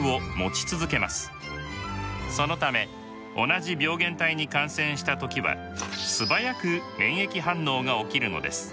そのため同じ病原体に感染した時は素早く免疫反応が起きるのです。